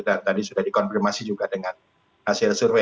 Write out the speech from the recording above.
dan tadi sudah dikonfirmasi juga dengan hasil survei